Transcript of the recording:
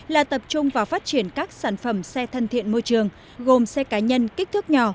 là tập trung vào phát triển các sản phẩm xe thân thiện môi trường gồm xe cá nhân kích thước nhỏ